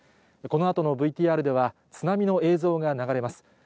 このあとのＶＴＲでは、津波の映像が流れます。